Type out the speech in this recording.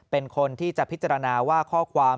เป็นคนที่จะพิจารณาว่าข้อความ